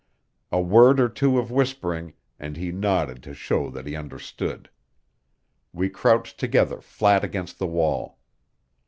A word or two of whispering, and he nodded to show that he understood. We crouched together flat against the wall.